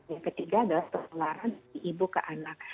yang ketiga adalah penularan dari ibu ke anak